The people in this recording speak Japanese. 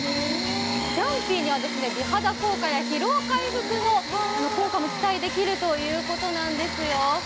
ジャンピーには美肌効果や疲労回復の効果も期待できるということなんだそうですよ。